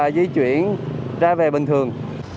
di chuyển ra về bình thường